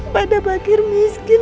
pada bagir miskin